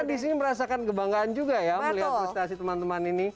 karena di sini merasakan kebanggaan juga ya melihat prestasi teman teman ini